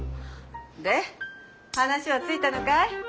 で話はついたのかい？